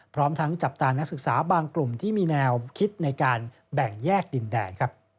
พร้อมทั้งจับตานักศึกษาบางกลุ่มที่มีแนวคิดในการแบ่งแยกดินแดน